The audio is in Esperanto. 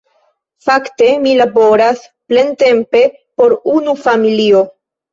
Fakte, mi laboras plentempe por unu familio.